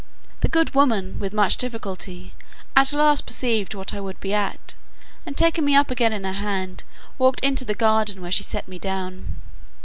The good woman, with much difficulty, at last perceived what I would be at, and taking me up again in her hand, walked into the garden, where she set me down.